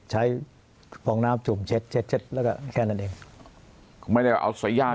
ฟองน้ำจุ่มเช็ดเช็ดเช็ดแล้วก็แค่นั้นเองไม่ได้ว่าเอาใส่ย่าง